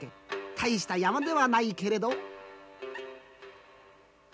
大した山ではないけれど。